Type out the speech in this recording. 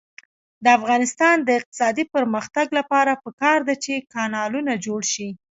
د افغانستان د اقتصادي پرمختګ لپاره پکار ده چې کانالونه جوړ شي.